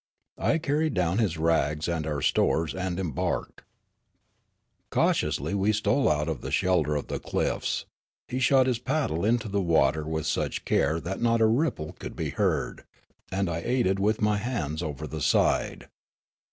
I carried down his rags and our stores, and embarked. Cautiously we stole out from the shelter of the cliffs ; he shot his paddle into the water with such care that 1 88 Riallaro not a ripple could be heard, and I aided with my hands over the side.